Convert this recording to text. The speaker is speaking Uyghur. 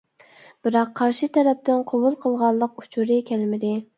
بىراق قارشى تەرەپتىن قوبۇل قىلغانلىق ئۇچۇرى كەلمىدى.